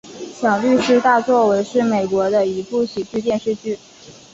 小律师大作为是美国的一部喜剧电视剧。